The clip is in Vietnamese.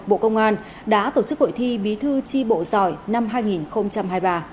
bộ công an đã tổ chức hội thi bí thư tri bộ giỏi năm hai nghìn hai mươi ba